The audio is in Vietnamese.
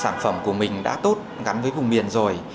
sản phẩm của mình đã tốt gắn với vùng miền rồi